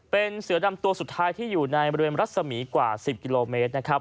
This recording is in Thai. เป็นเสือดำตัวสุดท้ายที่อยู่ในบริเวณรัศมีกว่า๑๐กิโลเมตรนะครับ